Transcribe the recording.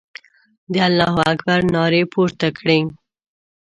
د الله اکبر نارې پورته کړې.